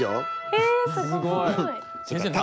えすごい。